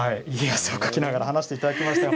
汗をかきながら話していただきました。